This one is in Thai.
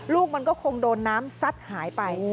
ลูกมันก็คงโดนน้ำซัดหายไป